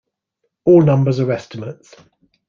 All numbers are estimates.